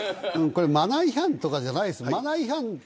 これはマナー違反とかじゃないです。